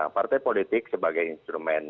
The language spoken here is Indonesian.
partai politik sebagai instrumen